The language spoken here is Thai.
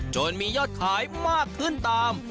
จนมียอดขายมากขึ้นตาม